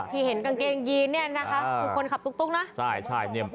ที่เห็นกางเกงยีนเนี่ยค่ะ